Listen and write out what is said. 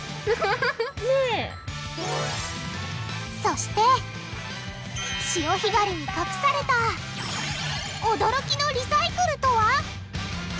そして潮干狩りに隠された驚きのリサイクルとは！？